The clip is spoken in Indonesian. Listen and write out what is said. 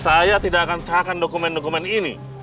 saya tidak akan serahkan dokumen dokumen ini